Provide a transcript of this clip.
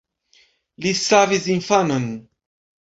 Li savis infanon.